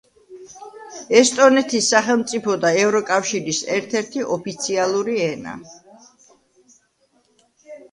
ესტონეთის სახელმწიფო და ევროკავშირის ერთ-ერთი ოფიციალური ენა.